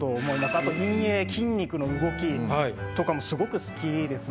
あと陰影筋肉の動きとかもすごく好きですね。